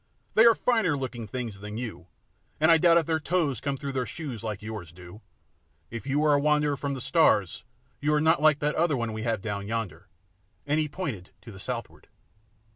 "They are finer looking things than you, and I doubt if their toes come through their shoes like yours do. If you are a wanderer from the stars, you are not like that other one we have down yonder," and he pointed to the southward.